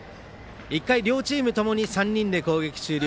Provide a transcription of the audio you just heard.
１回、両チームともに３人で攻撃終了。